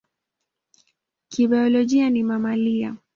Kibiolojia ni mamalia.